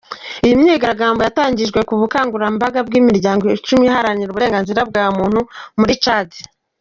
Iyo myigaragambyo yatangijwe ku bukangurambaga bw’imiryango icumi iharanira uburenganzira bwa muntu muri Tchad.